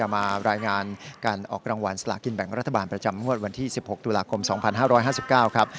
มารายงานการออกรางวัลสลากินแบ่งรัฐบาลประจำงวดวันที่๑๖ตุลาคม๒๕๕๙ครับ